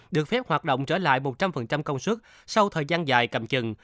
được phép hoạt động trở lại một trăm linh công suất sau thời gian dài cầm chừng